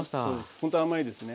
ほんと甘いですね。